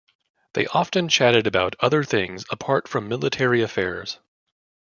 They often chatted about other things apart from military affairs.